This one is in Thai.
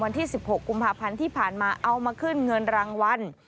วันที่๑๖กุมภาพันธ์ที่ผ่านมาเอามาขึ้นเงินรางวัล